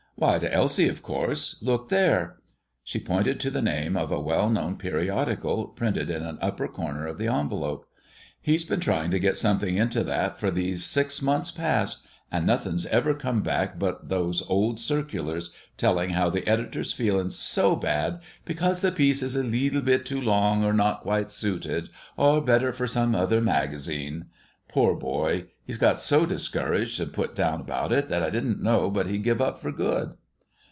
"Why, to Elsie, of course. Look there!" She pointed to the name of a well known periodical, printed in an upper corner of the envelope. "He's been trying to get something into that for these six months past, and nothin's ever come back but those old circulars, telling how the editor's feelin' so bad, because the piece is a leetle bit too long, or not quite suited, or better for some other magazine! Poor boy, he'd got so discouraged and put down 'bout it that I didn't know but he'd give up for good."